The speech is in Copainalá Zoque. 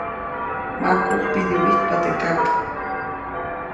Makuʼuŋ pidiwijtpa teʼ kak.